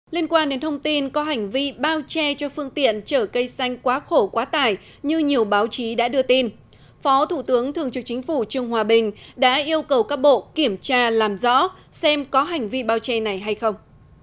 liên quan đến thông tin có hành vi bao che cho phương tiện chở cây xanh quá khổ quá tải như nhiều báo chí đã đưa tin phó thủ tướng thường trực chính phủ trương hòa bình đã yêu cầu các bộ kiểm tra làm rõ xem có hành vi bao che này hay không